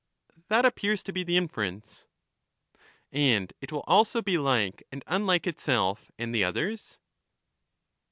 ^^^ That appears to be the inference. than itself And it will also be like and unlike itself and the others